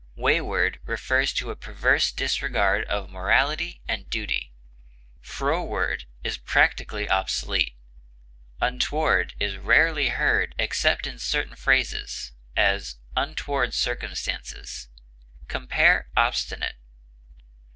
Wayward refers to a perverse disregard of morality and duty; froward is practically obsolete; untoward is rarely heard except in certain phrases; as, untoward circumstances. Compare OBSTINATE.